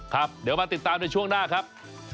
ครับเดี๋ยวมาติดตามในช่วงหน้าครับ